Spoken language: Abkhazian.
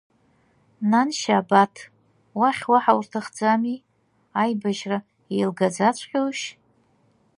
Нан Шьабаҭ, уахь уаҳа урҭахӡами, аибашьра еилгаӡаҵәҟьоушь?